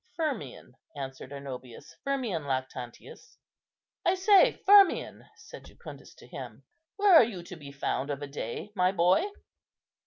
"Firmian," answered Arnobius. "Firmian Lactantius." "I say, Firmian," said Jucundus to him, "where are you to be found of a day, my boy?"